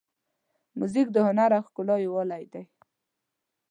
موزیک د هنر او ښکلا یووالی دی.